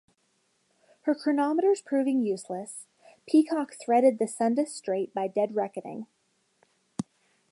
Her chronometers proving useless, "Peacock" threaded the Sunda Strait by dead reckoning.